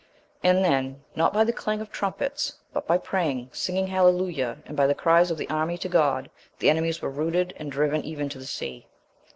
And then, not by the clang of trumpets, but by praying, singing hallelujah, and by the cries of the army to God, the enemies were routed, and driven even to the sea.